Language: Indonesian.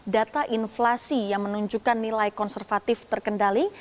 data inflasi yang menunjukkan nilai konservatif terkendali